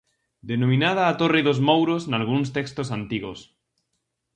Denominada a Torre dos Mouros nalgúns textos antigos.